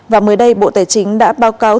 và mới đây bộ tài chính đã báo cáo